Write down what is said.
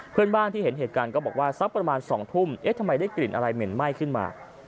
เพื่อนบ้านที่เห็นเหตุการณ์ก็บอกว่าสักประมาณ๒ทุ่มเอ๊ะทำไมได้กลิ่นอะไรเหม็นไหม้ขึ้นมา